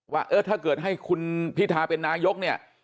ว่าถ้าเกิดให้คุณพิทาเป็นนายก